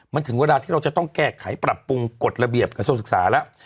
มันถึงเวลาที่เราจะต้องแก้ไขปรับปรุงกฎระเบียบกระทรวงศึกษาแล้ว